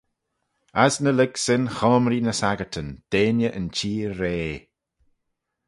As ny lurg-syn choamree ny saggyrtyn, deiney yn cheer-rea.